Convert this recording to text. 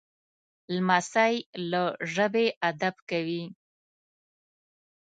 لمسی له ژبې ادب کوي.